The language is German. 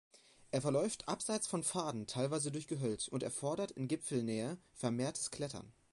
Er verläuft abseits von Pfaden, teilweise durch Gehölz, und erfordert in Gipfelnähe vermehrtes Klettern.